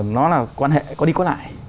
nó là quan hệ có đi có lại